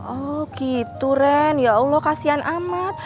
oh gitu ren ya allah kasihan amat